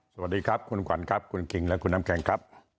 สวัสดีครับคุณขวัญครับคุณคิงและคุณน้ำแข็งครับ